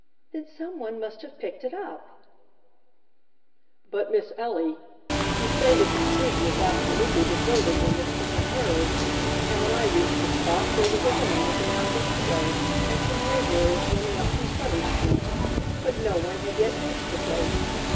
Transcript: "Then some one must have picked it up." "But, Miss Ellie, you say that the street was absolutely deserted when this thing occurred; and when I reached the spot there was a woman looking out of a window, and some laborers running up from Sutter Street, but no one had yet reached the place.